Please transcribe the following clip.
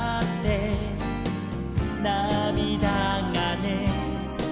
「なみだがね」